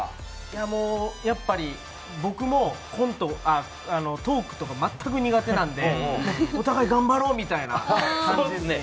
いやもうやっぱり僕もコントあっトークとか全く苦手なんでお互い頑張ろう！みたいな感じですね